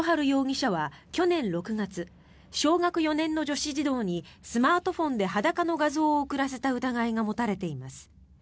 容疑者は去年６月小学４年の女子児童にスマートフォンで裸の画像を送らせた疑いが持たれています。